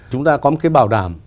chúng ta có một cái bảo đảm